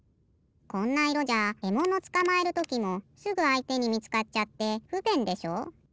こんないろじゃえものつかまえるときもすぐあいてにみつかっちゃってふべんでしょ。